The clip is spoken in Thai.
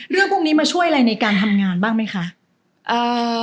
เรื่องพวกนี้มาช่วยอะไรในการทำงานบ้างไหมคะ